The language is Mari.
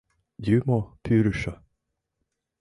Юмо Пӱрышӧ!